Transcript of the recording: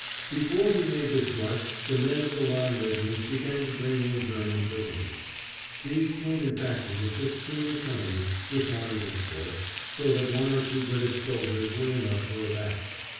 Before we made this rush the men of the Line regiments began to bring in German prisoners. These came in batches of fifteen or twenty, disarmed, of course, so that one or two British soldiers were enough for a batch.